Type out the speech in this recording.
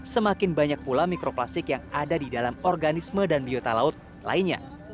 semakin banyak pula mikroplastik yang ada di dalam organisme dan biota laut lainnya